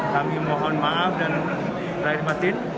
kami mohon maaf dan terima kasih